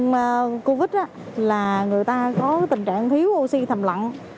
bệnh nhân covid là người ta có tình trạng thiếu oxy thầm lặn